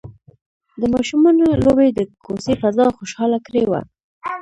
د ماشومانو لوبې د کوڅې فضا خوشحاله کړې وه.